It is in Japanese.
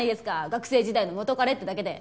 学生時代の元カレってだけで。